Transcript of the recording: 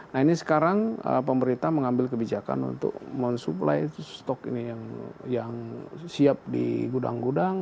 nah ini sekarang pemerintah mengambil kebijakan untuk mensuplai stok ini yang siap di gudang gudang